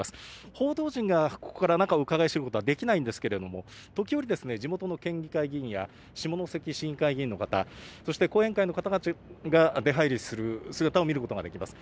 報道陣が、ここから中をうかがい知ることはできないんですけれども時折、地元の県議会議員や下関市議会議員の方がそして後援会の方たちが出入りする姿を見ることができます。